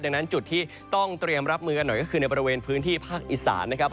ดังนั้นจุดที่ต้องเตรียมรับมือกันหน่อยก็คือในบริเวณพื้นที่ภาคอีสานนะครับ